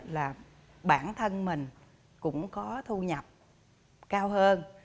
là bản thân mình cũng có thu nhập cao hơn